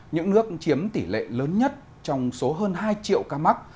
những nước chiếm tỷ lệ lớn nhất trong số hơn hai triệu ca mắc